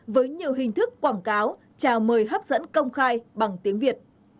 với nhiều hình thức quảng cáo chào mời hấp dẫn công khai bằng tiếng việt